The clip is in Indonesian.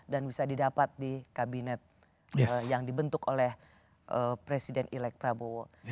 dan bisa didapat di kabinet yang dibentuk oleh presiden elek prabowo